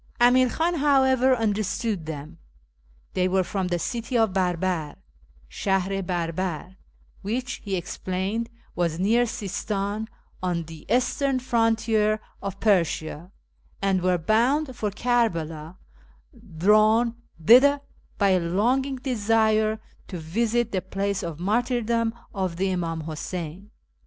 Amir Khan, however, understood them. They were from the " City of Barbar " {Sliahr i Bcirhar, which, he explained, was near Sistiin, on the eastern frontier of Persia), and were bound for Kerbela, drawn thither by a longing desire to visit the place of martyrdom of the Inii'im Huseyn.